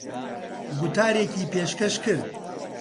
گوتارێکی پێشکەش کرد.